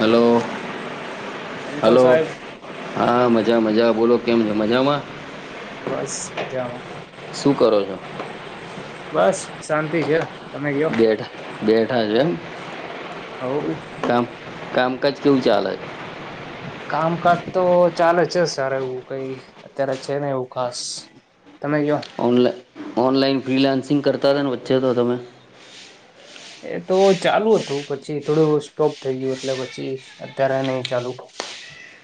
Hello.. કેમ છો hello.. સાહેબ? હા.. મજા મજા. બોલો.. કેમ છો મજામાં? બસ મજામાં. શું કરો છો? બસ શાંતિ છે. તમે ક્યો.. બેઠા બેઠા છો. એમ ને..? હવ... ‌ કામકાજ કેવું ચાલે છે? કામકાજ તો ચાલે છે સારુ એવું. કંઈ અત્યારે છે નઈ એવું ખાસ. તમે કયો ઓનલાઇન ફ્રિલાન્સીગ કર... [unintelligible] વચ્ચે છો તમે? એ તો ચાલુ હતું. પછી થોડું સ્ટોપ થઈ ગયું એટલે પછી અત્યારે નહી ચાલુ.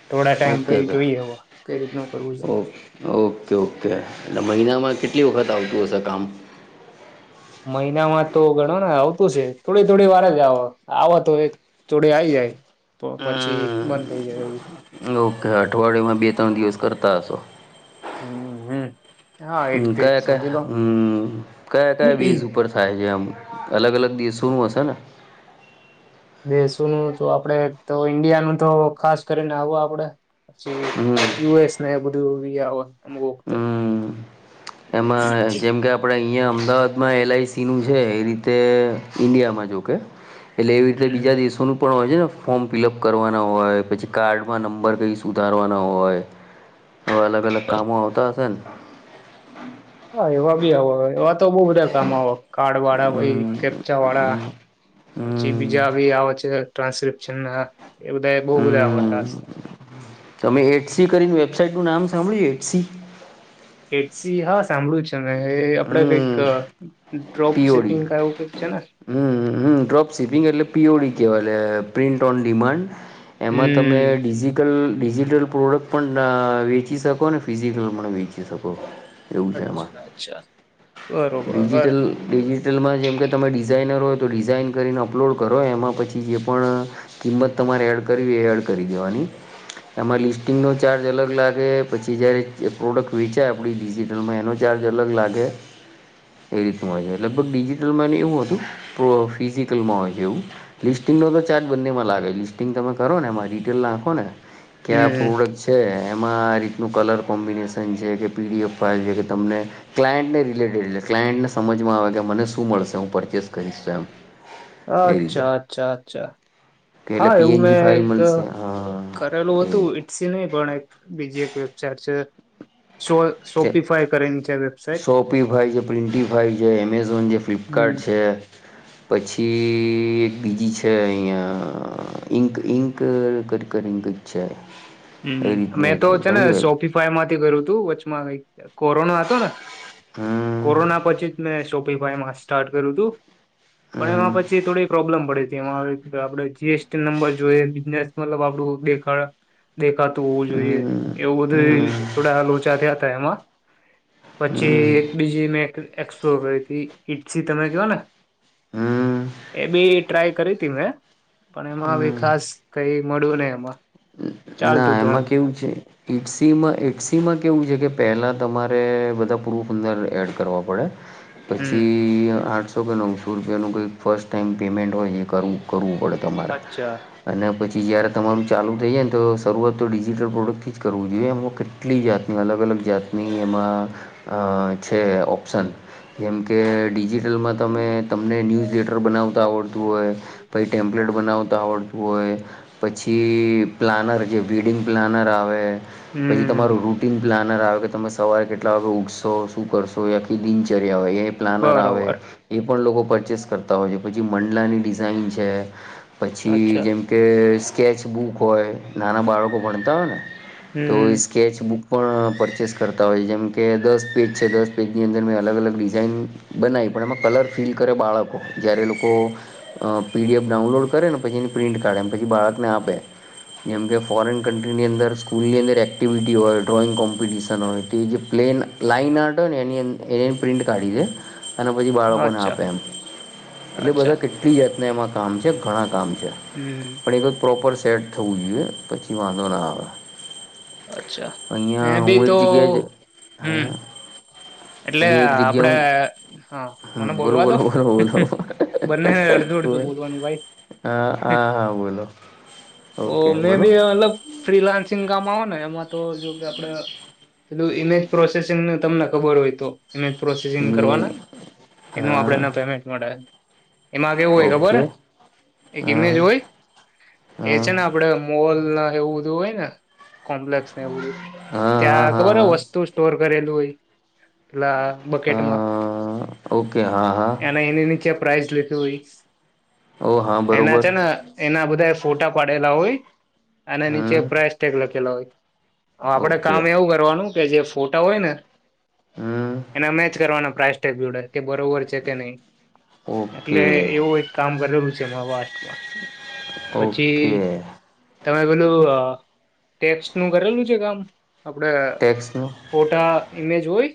થોડા ટાઈમ ઓકે પછી જોઈએ હવે કઈ રીતનું કરવું છે. ઓ ઓકે.. ઓકે.. એટલે મહિનામાં કેટલા.. ‌? કેટલી વખત આવતું હશે કામ? મહિનામાં તો ગણો ને આવતું હશે. થોડી થોડી વાર જ આવે. આવે તો એક થોડી આવી જાય પછી બંધ થઈ જાય એવું. હમ ઓકે.. અઠવાડિયામાં બે ત્રણ દિવસ કરતા હશો? હમ.. હમ. હા એ હ.. રીતે જ કયા સમજી કયા? લો હમ.. કયા કયા વીઝ ઉપર થાય છે આમ? અલગ અલગ દેશોનું હશે ને? દેશોનું તો આપડે તો ઈન્ડિયા નું તો ખાસ કરીને આવું આપણે.. પછી.. હમ યુ. એસ.... ને બધુ બી આવે અમુક વખતે. હમ એમાં.. જેમ કે આપણે... અહીંયા અમદાવાદમાં એલ. આઈ. સી. નું છે. એ રીતે ઈન્ડિયામાં જો કે.. એટલે એવી રીતે હમ બીજા દિવસોનું પણ હોય છે ને? ફોર્મ ફિલઅપ કરવાના હોય પછી કાર્ડમાં નંબર કઈ સુધારવાના હોય. એવા અલગ અલગ કામો આવતા હશે ને? [inaudible] હા એવા બી આવ.. તો બહુ બધા કામ આવે કાર્ડ વાળા ભાઈ હમ કેપચા વાળા પછી હમ બીજા ભી આવે છે ટ્રાન્સક્રિપ્શનના એ બધા બહુ બધા આવે અમે એટસી કરીને વેબસાાઈટ નું નામ સાંભળ્યું છે? એટસી? એટસી.. હા્.. સાંભળ્યું છે. એ આપણે કંઈક... હમ ડ્રોપ પીઓડી સિપિંગ કા એવું કંઈક છે ને? હમ હમ ડ્રોપ સિપિંગ એટલે પીઓડી કહેવાય લ પ્રિન્ટ ઓન ડિમાન્ડ એમાં તમે હમ ડિઝિકલ ડિજિટલ પ્રોડક્ટ પણ વેચી શકો ને ફિઝિકલ પણ વેચી શકો એવું છે એમાં અચ્છા અચ્છા બરોબર ડિજિટલ ડિજિટલમાં જેમ કે તમે ડિઝાઇનર હો તો ડિઝઇન કરીને અપલોડ કરો એમાં પછી જે પણ કિંમત તમારે એડ કરવી એ એડ કરી દેવાની એમાં લિસ્ટિંગનો ચાર્જ અલગ લાગે પછી જ્યારે પ્રોડક્ટ વેચાય આપણી ડિજિટલમાં એનો ચાર્જ અલગ લાગે એ રીતનું હોય છે લગભગ ડિજિટલમાં એવું હતું પ્ર ફિઝિકલમાં હોય છે એવું લિસ્ટિંગનો તો ચાર્જ બંનેમાં લાગે લિસ્ટિંગ તમે કરો ને એમાં ડિટેલ નાખો ને ક્યા હમ પ્રોડક્ટ છે એમાં આ રીતનું કલર કોમ્બિનેશન છે કે પીડીએફ ફાઇવ છે કે તમને ક્લાયન્ટને રિલેટેડ લ ક્લાયન્ટને સમજમાં આવે કે મને શું મળશે હું પરચેસ કરીશ એમ એ રીતે અચ્છા અચ્છા અચ્છા કે હા એટલે એવું પીએનજી મેં ફાઇલ એક મળશે હા કરેલું એ હતું રીતે ઈટસી નહ પણ એક બીજી એક વેબસાઇટ છે શો શોપિફાય કરીને છે વેબસાઇટ શોપીફાઈ છે પ્રિન્ટીફાઈ છે એમેઝોન છે હમ ફ્લિપકાર્ટ છે પછી એક બીજી છે અહીંયા ઇંક ઇંક ખખર ઇંક જ છે એ હમ રીતની મેં એક તો છે ને ઘણી વેબ સોપીફાઈ માંથી કર્યું તું વચમાં કઈક કોરોના હતો ને હમ કોરોના પછી મેંો ભાઈ મા સ્ટાર્ટ કરું તું પણ એમાં હમ પછી થોડી પ્રોબ્લેમ પડે છે જેમાં આપડે જીએસટી નંબર જોઈએ બિઝનેસ મતલબ આપડું દેખાડ દેખાતું હોવું જોઈએ હમ એવું હમ બધું થોડા લોચા થયા હતા એમાં પછી એક બીજી મેં એક એસોપથી ઈછી તમે કવા ને હમ એ બી ટ્રાય કરી હતી મેં પણ હમ એમાં હમ ખાસ કઈ મળું ન એમાં ના ચાલતું હતું એમ એમાં કેવું છે ઈટસીમાં ટસી માં કેવું છે કે પહેલાં તમારે બધા પ્રૂફ અંદર એડ કરવા પડે હમ પછી આઠ તો કે નવસો રૂપિયાનું કઈક ફર્સ્ટ ટાાઈમ પેમેન્ટ હોય એ કરવું કરવું પડે અચ્છા અને પછી કે જય્યારે તમાું ચાલુ થઈ જાય ને તો શરૂઆત તો ડિજિટલ પ્રોડક્ટથી જ કરવું જોઈએ એમાંમાં કેટલી જાતની અલગ અલગ જાતની એમાં છે ઓપ્શન જેમ કે ડિજિટલમાં તમે તમને ન્યૂઝ લેટર બનાવતા આવડતું હોય પઈ ટેમ્પલેટ બનાવતા આવડતું હોય પછી પ્લાનર જે વેડિંગ પ્લાનર આવે પછી તમારું હમ રૂટીન પ્લાનર આવે તમે સવારે કેટલા વાગે ઉઠશો શું કરશો આખી દિનચર્યા હોય એ એ પ્લાનર આવે બરોબર એ પણ લોકો પરચેસ કરતા હોય છે પછી મંડલાની ડિઝાઇન છે પછી અચ્છા જેમ કે સ્કેચ બુક હોય નાના બાળકો ભણતા હોય ને તો હમ સ્કેચ બુક પણ પરચેસ કરતા હોય જેમ કે દસ પેજ છે દસ પેજની અંદર મેં અલગ અલગ ડિઝાઇન બનાવી પણ એમાં કલર ફિલ કરે બાળકો જ્યારે લોકો પીડીએફ ડાઉનલોડ કરે ને પછી એની પ્રિન્ટ કાઢે એમ પછી બાળક આપે જેમ કે ફોરીન કન્ટ્રીની અંદર સ્કૂલની અંદર એક્ટિવિટી હોય ડ્રોઈંગ કોમ્પિટિશન હોય તે જે પ્લેન લાાઈન આર્ટ હોયને એની એ પ્રિન્ટ કાઢી દે અને પછી બાળકોને અચ્છા આપે એમ એટલે બધા અચ્છા કેટલી જ એમાં કામ છે ઘણા કામ છે હમ પણ એ પ્રોપર સેટ થવું જોઈએ પછી વાંધો ના આવે અચ્છા મેં અહીંયા ભી હું તો એક જગ્યાએ જ હમ હા એટલે અહીંયા એક જગ્યા આપડે હું હા મને હમ બોલો બોલવા દો બોલો બોલો બોલો બંને અડધું અડધું બોલ. બોલવાનું ભાઈ હલો ઓ મેં બી મતલબ ફ્રીલાાન્સિંગ કામ હો ને એમાં તો જો કે આપડે પેલું ઈમેજ પ્રોસેસિંગ તમને ખબર હોય તો એને પ્રોસેસિંગ હમ કરવાના એનું હા આપણેને પેમેન્ટ મળે એમાં કેવું હોય ખબર ઓકે એક હા ઇમેજ હોય એ હા છે ને આપડે બોલ ના એવુંું હોય ને કોમ્પ્લેસને એવું હા હા ત્યાં હા ખબર હ હા વસ્તુ સ્ટોર કરેલું હોય એટલા બકેટમાં હા ઓકે હા હા એના એની નીચે પ્રાઇઝ લેખી હોય ઓ હા એના બરોબર છે ને એના બધા ફોટા પાડેલા હોય અનેન નીચ હમ પ્રઇસ ટેગલા કેલા હોય આપડે ઓકે કામ એવું કરવાનું કે જે ફોટા હોય ને હમ એના મેચ કરવાના પ્રાઈસટેુડ કે બરોબર છે કે નહી એટલે ઓકે એવું એક કામ કરેલું છે જેમાં વા્ટ [inaudible] ઓકે તમે પેલું ટેપસ નું કરેલું છે કામ આપડે ટેક્સનું ફોટા ઈમેજ હોય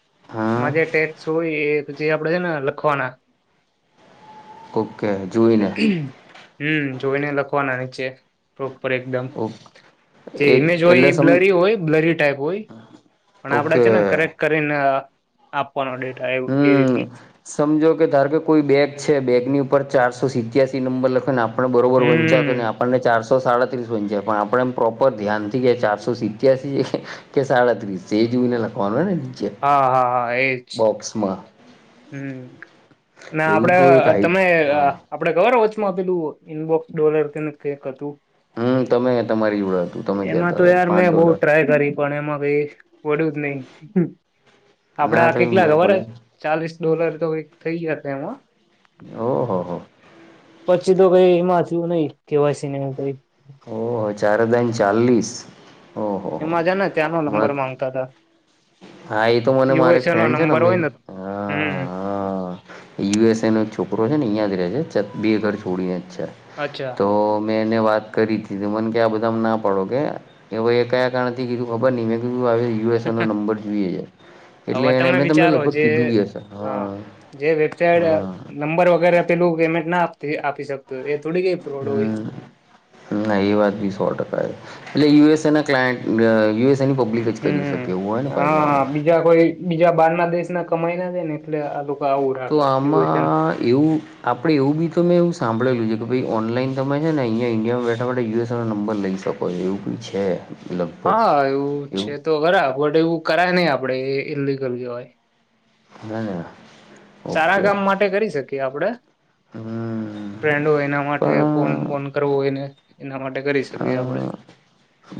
[inaudible] હા મજા ટેટ સુય એ પછ આપડે છે ને લખવાના ઓકે જોુઈને હમ જોઈને લખવાના નીચે ઉપ એકદમ ઓક જે એક ઇમેજ હોય એ એટલે સમ બ્લરી હોય બ્લરી ટાઈપ હોય પણ આપડ ઓકે છે ને કરેક્ટ કરીને આપપ હમ સમજો કે ધાર કે કોઈ બેગ છે બેગની ઉપર ચારસો સિત્યાસી નંબર લખ ને આપ આપણે બરોબર વંચ્યાતો હમ આપણને ચાર સો સાડત્રીસ વન છે પણ આપડણે એમ પ્રોપર ધ્યાનથી કે ચારસો સિત્યાસી છે કે સાડત્રીસ એ જોઈને લખવાનું હોય ને નીચે હા હા હા એજ બોક્સમાં હમ અને એવું આપડે તો એક આઈ તમે હા આપડે ખબર હો માં પેલું ઇનબોક્સ ડોલર કેક હતું હમ તમે તમારી જોડે હતું તમે એમાં કહેતા તો હતા યાર પાંચ મેં બહ ડોલર ટ્રાય કરી પણ એમાં કઈ વડ્યું જ નહીિ હમ ના આપડા થયું કેટલા મેળ ખબર પડે જ ચાલીસ ડોલર તો કઈ થઈ જ એમાં ઓહ હો પછી તો કઈ એમાં થયું નહી કેવાય સિનેમા કઈ ઓહ ચાર હજ ચાલીસ ઓહો હો એમાં જ ને ત્યાંનો નંબર હમણાં માંગતા હતાા હા એ તો મને મારે એક ફ્રેન્ડ છેને નંબર હોય અીરી ને હમ હ યુએસ એ નો એક છોકરો છે ને હં જ રહે છે બે ઘર છોડી અચ્છા અચ્છા તો મેં એને વાત કરી હતી મ કે આ બધા ના પડો કે એ એ કયા કારણ કીધું ખબર ન મે યુસ નો નંબર જોઈએ છે એટલે હવે તમે એમે તમને વિચારો લગભગ જે કીધું બી હશે હા જે હા નંબર વ અેલ પેમેન્ટ ના આપ આપી શકતો હમ એ વાત બી સો ટકા એટલે યુએસ ક્લાયન્ટ યુ એસ ની પબ્લિક જ કરી હમ શકે એવું હોય ને પમાં. હા બીજા કોઈ બીજા બહાર દેશ ના કમાય ના છે ને એટલે આ આવું તો રાખે યુએસન આમાં એવું આપડે એવું બી તો મેં એવું સાંભળેલું છે કે ભાઈ ઓનલાઈન તમે છે ને અહંયા ઈન્ડિયા માં બેઠા માટે યુએસ નો નંબર લઇ શકો એવું કઈ છે. લગભગ હા એવું છે તો ખરા બટ એવું કરાય નહી આપડે ઇલિગલ જોવાય. ના સારા કામ માટે કરી શકીએ આપડે હમ ફ્રેન્ડ હોય એના માટે ફોન પણ બોન કરવો હોયને એના માટે કરી અ શકીએ આપડે.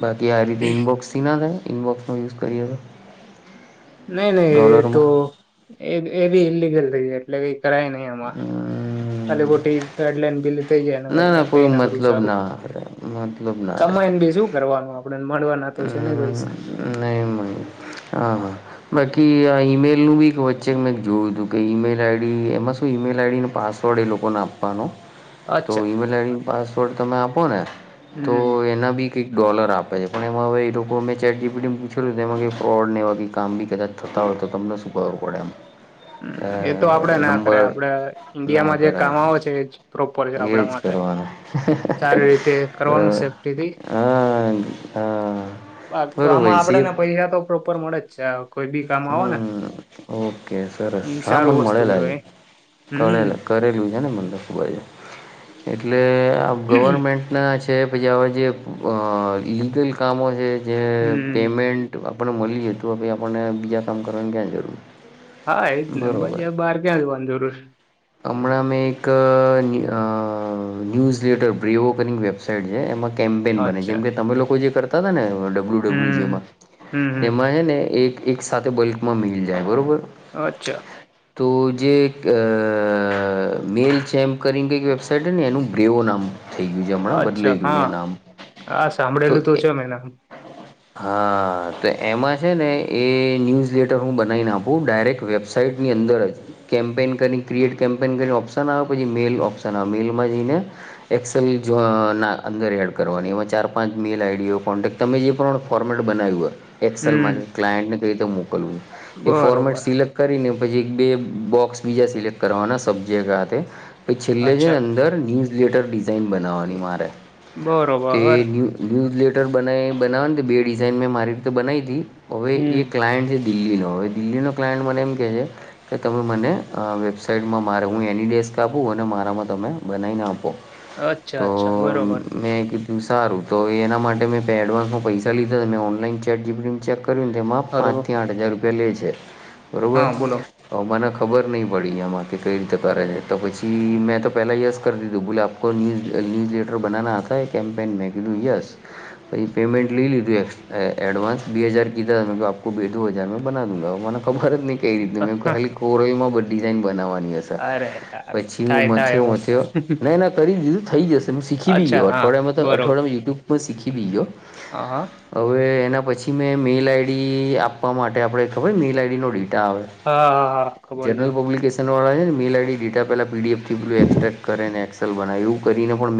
બાકી આ રીતે ઈનબોક્સથી ના થાય ઈનબોક્સ નો યુઝ કરીએ તો. નહી નહી તો ડોલરમાં એ એ બી ઇલિગલ રહી એટલે કરાય નહી અમાં ખાલી હમ કોોટી ગાઈડલાઈન ગ ના ના કોઈ મતલબ ના મતલબ ના રે. આપડને મળવા ના તો છે ને હમ પૈસા. નહી મળી હા હા બાકી આ ઈમેલ નું બી એક વચ્ચે મેં જોયું હતું કે ઈમેલ આઈડી એમાં શું ઈમેલ આઈડીને પાસવર્ડ એ લોકોને આપવાનો તો અચ્છા ઈમેલ આઈડી પાસવર્ડ તમે આપો ને તો હમ એના બી કઈક ડોલર આપે છે. અને એમાંવે ર લોકો મેં ચેટટીી પીટીને પૂછ્યુંું તેમાં કે રોડ એવા કામ બી કદાચ થતા હોય તો તમને શું કરરું પડે એમ. હમ એ તો આપડે એટલે ના કરે નંબર આપડ ના ઈન્ડિયામાં જે કરાય કામઓ છે એજ પ્રોપર છે એજ આપણા માટે કરવાનું સારી રીતે કરવાનું બરોબર સેફ્ટીથી હા હા બાકી તો આમાં બરોબર આપડે સેફ પૈસા તોોપ ઉપર મળે જ છે. કોઈ બી કામ આવો ને કે સરસ એ શા સારું મને વસ્તુ મળેલા છે કેવાય હમ કરેલા કરેલું છે ને મને લખું છે એટલે ગવર્મેન્ટના છે પછી હ જે અ લીગલ કામો છે જે હમ પેમેન્ટ આપને મળીએ હતું ભાઈ આપણને તયા કામ કરગ જરૂર હા એજ ને બરોબર બજા બહાર ક્યાં જ વાંધોરસ્ હમણાં મેં એક ન્યૂઝ લેટર બિઓકનિંગ વેબસાાઈટ છે એમાં કેમ્પેન બને જેમ અચ્છા કે તમે લોકો જે કરતા ત ત ડબલ્યુબલુ હમ જેમાં હમ હમ એમાં છે ને એક એક સાથે બલ્કમાં મેળ જાય બરાબર અચ્છા તો જે મેલ ચેમ્પ કરીને કંઈક વેબસાાઈટ હ ને એનું ગ્રેવ નામ થઈ ગયું છે હમણાં અચ્છા બદલાઈ ગયું હા છે નામ હા તો સાંભળેલું તું છે મેને હા તો એમાં છે ને એ ન્યૂઝ લેટર હું બનાવીને આપું ડાયરેક્ટ વેબસાાઈટની અંદર જ કેમ્પેન કરી ક્રિએટ કેમ્પેન કરીને ઓપ્શન આવે પછી મેઇલ ઓપ્શન આવે મેલમાં જઈને એક્સેલ ના અંદર એડ કરવાની એમાં ચાર પાંચ મેલ આઈડી હોય કોન્ટેક્ટ તમે જે પ્રમાણે ફોર્મેટ બનાવ્યું હોય એક્સલ હમ ક્યન્ટ ને કઈ જમ્ુ એ ફોર્મેટ બરોબર સિલેક્ટ કરીને પછી એક બે બોક્સ બીજા સિલેક્ટ કરવાના સબ્જીગતે પછ છેલ્લે અચ્છા જેની અંદર લેટર ડિઝાઇન બનાવવાની મારે તે બરોબર ન્ય ન્યુઝ લટ સ્વેટર બના બનાવવા ને બે ડિઝાન મે મારી રીતે બનાવી હતી હવે હમ એ ક્લાયન્ટ દિલ્હીનો હવે દિલ્હીનો ક્લાયન્ટ મને એમ કેહે છે કે તમે મને વેબ સાઈડમાં મારે હું એની ડેસ્ક આપું અને મારામાં તમે બનાવીને આપો અચ્છા તો અચ્છા બરોબર મે એમ સારું તો એના માટે મેં એડવાન્સમાં પૈસા લીધા મેં ઓનલાઈન ચેટ જીપી ચેક કરીેમાં પ હલો પાચથીઠ હજાર ર પલેલે છે બરોબર હા બોલો મને ખબર નહી પડી એમારે કે કઈ રીતે કરે છે તો પછી મેં તો પહેલાં યસ કરી દીધું બોલે આપખ ન્યૂઝ ન્યૂઝ લેટર બનાવના હતા એ કેમ્પેઇન મેં કીધું યસ પછી પેમેન્ટ લઈ લીધું એ એડવાન્સ બે હજાર કીધા મેં આપું બે દ હજાર મેં બનાવી દુંં મને ખબર હતી ને કઈ રીધું મે ખાલી કોરોઈમાં બ ડિઝાઇન બનાવાય. અરે યાર પછી હું થાય થાય મથયો મથયો એવું ના ના કરી દીધું. થઈ જશે. ત શીખી બી અચ્છા ગયો હા અઠવાડિયામાં તો બરોબર અઠવાડિયામાં યુ્ટયુબ પણ શીખી બીજો હા હા. પછી મેં મેઈલ આઈડી આપવા માટે આપણે ખબર મેલ આઈડીન ડેટા આવે હા હા હા ખબર છે. વાા ને મેલ આઈડી ડેટા પેલા પીડીએફ થૃ એબસ્ટ્રેક્ટ કરેને એક્સેલ બનાવે એવું કરીને પણ